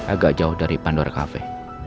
agak jauh dari pandora kafe